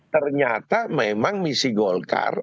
ternyata memang misi golkar